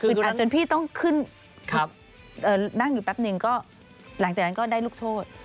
อัดจนพี่ต้องขึ้นนั่งอยู่แป๊บหนึ่งก็หลังจากนั้นก็ได้ลูกโทษ